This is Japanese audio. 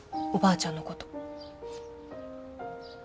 おばあちゃんのこと。